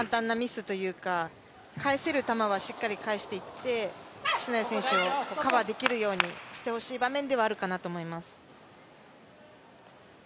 福島選手はこういう簡単なミスというか、返せる球はしっかり返していって、篠谷選手をカバーできるようにしてほしい場面ではあると思います。